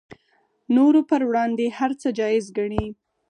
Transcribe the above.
نورو پر وړاندې هر څه جایز ګڼي